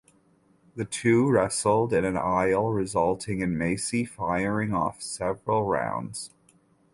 The two wrestled in an aisle resulting in Massie firing off several rounds.